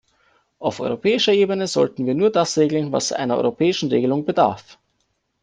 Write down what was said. Auf europäischer Ebene sollten wir nur das regeln, was einer europäischen Regelung bedarf.